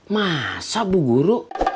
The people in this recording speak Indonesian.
masa bu guru